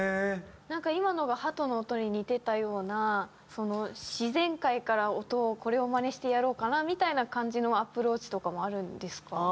なんか今のがハトの音に似てたような自然界から音をこれをマネしてやろうかなみたいな感じのアプローチとかもあるんですか？